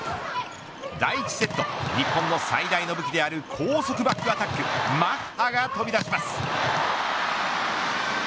第１セット日本の最大の武器である高速バックアタックマッハが飛び出します。